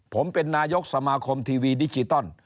ผมเป็นนายกสมาคมทีวีดิจิตอล